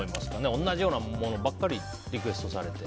同じようなものばかりリクエストされて。